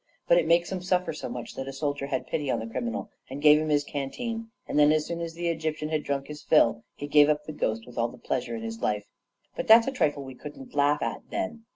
But it makes 'em suffer so much that a soldier had pity on the criminal and gave him his canteen; and then, as soon as the Egyptian had drunk his fill, he gave up the ghost with all the pleasure in life. But that's a trifle we couldn't laugh at then.